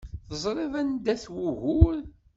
Teẓriḍ anda-t wugur.